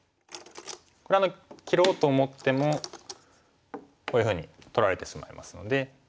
これは切ろうと思ってもこういうふうに取られてしまいますので。